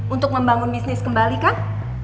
untuk membangun bisnis kembali kah